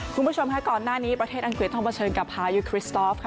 คุณผู้ชมค่ะก่อนหน้านี้ประเทศอังกฤษต้องเผชิญกับพายุคริสตอฟค่ะ